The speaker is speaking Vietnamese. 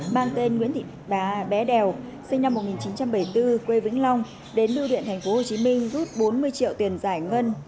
mang tên nguyễn thị bé đèo sinh năm một nghìn chín trăm bảy mươi bốn quê vĩnh long đến bưu điện thành phố hồ chí minh rút bốn mươi triệu tiền giải ngân